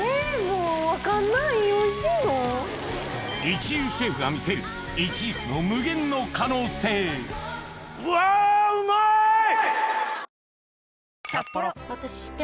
一流シェフが見せるイチジクの無限の可能性うわうまい！